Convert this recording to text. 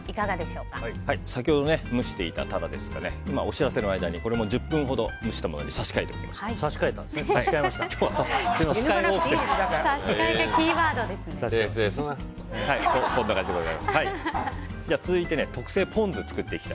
先ほど蒸していたタラですが今お知らせの間に１０分ほど蒸したものに差し替えておきました。